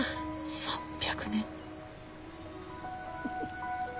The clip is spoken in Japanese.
３００年。